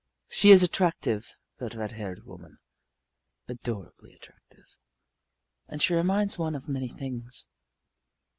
She is attractive, that red haired woman adorably attractive. And she reminds one of many things.